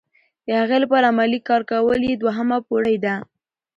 د هغې لپاره عملي کار کول یې دوهمه پوړۍ ده.